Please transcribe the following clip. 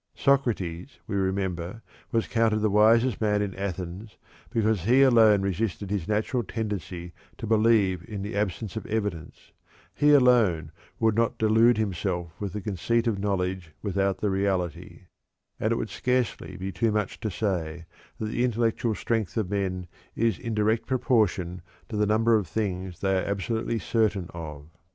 Socrates, we remember, was counted the wisest man in Athens because he alone resisted his natural tendency to believe in the absence of evidence; he alone would not delude himself with the conceit of knowledge without the reality; and it would scarcely be too much to say that the intellectual strength of men is in direct proportion to the number of things they are absolutely certain of.